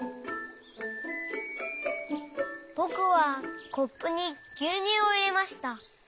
ぼくはコップにぎゅうにゅうをいれました。